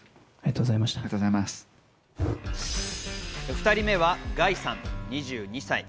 ２人目はＧａｉさん、２２歳。